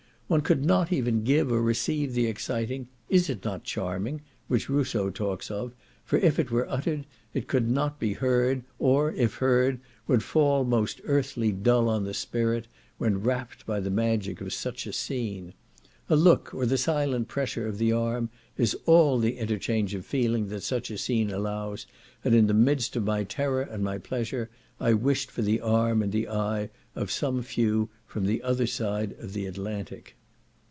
One could not even give or receive the exciting "is it not charming," which Rousseau talks of, for if it were uttered, it could not be heard, or, if heard, would fall most earthly dull on the spirit, when rapt by the magic of such a scene. A look, or the silent pressure of the arm, is all the interchange of feeling that such a scene allows, and in the midst of my terror and my pleasure, I wished for the arm and the eye of some few from the other side of the Atlantic.